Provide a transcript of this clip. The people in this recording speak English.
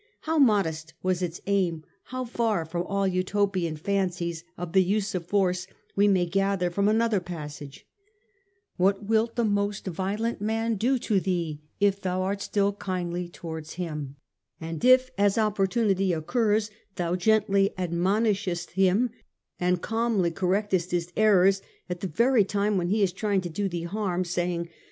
How modest was its aim, how far from all utopian fancies of the use of force, we may gather from another passage :' What will the most violent man do to thee if thou art still kindly towards him, and if, as opportunity occurs, thou gently admonishest him and calmly correctest his errors at the very time when he is trying to do thee harm, saying.